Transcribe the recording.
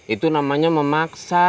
itu namanya memaksa